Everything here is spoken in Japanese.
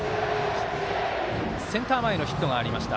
センター前のヒットがありました。